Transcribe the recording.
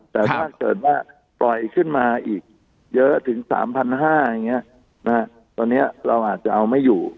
แต่ถ้าเกิดว่าปล่อยขึ้นมาอีกเยอะถึง๓๕๐๐อย่างนี้ตอนนี้เราอาจจะเอาไม่อยู่